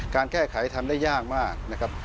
การแก้ไขทำได้ยากมาก